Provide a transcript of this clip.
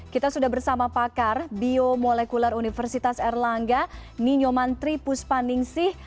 kita sudah bersama pakar biomolekuler universitas erlangga ninyo mantri puspaningsih